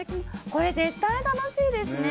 これ絶対に楽しいですね。